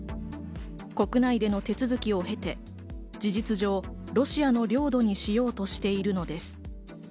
国内での手続きを経て、事実上ロシアの領土にしようとしているのです。